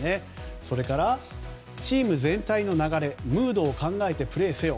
それからチーム全体の流れ、ムードを考えてプレーせよ。